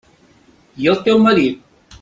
I el teu marit?